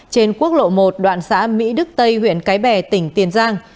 trên quốc lộ một đoạn xã mỹ đức tây huyện cái bè tỉnh tiền giang